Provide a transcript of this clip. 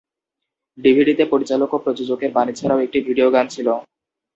ডিভিডিতে পরিচালক ও প্রযোজকের বাণী ছাড়াও একটি ভিডিও গান ছিল।